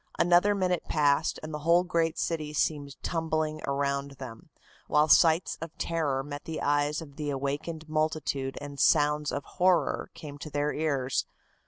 Another minute passed and the whole great city seemed tumbling around them, while sights of terror met the eyes of the awakened multitude and sounds of horror came to their ears.